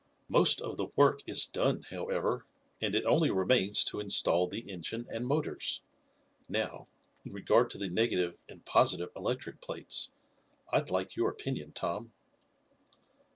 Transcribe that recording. Most of the work is done, however, and it only remains to install the engine and motors. Now, in regard to the negative and positive electric plates, I'd like your opinion, Tom."